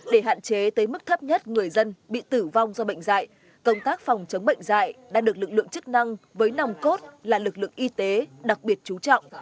để hạn chế tới mức thấp nhất người dân bị tử vong do bệnh dạy công tác phòng chống bệnh dạy đã được lực lượng chức năng với nòng cốt là lực lượng y tế đặc biệt chú trọng